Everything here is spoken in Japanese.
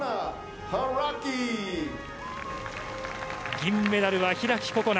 銀メダルは開心那。